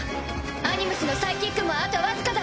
アニムスのサイキックもあと僅かだ。